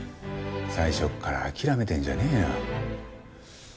最初から諦めてんじゃねえよ。